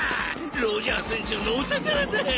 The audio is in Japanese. ロジャー船長のお宝だ。